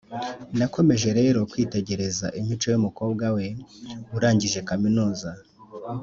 Nakomeje rero kwitegereza imico y’umukobwa we urangije kaminuza,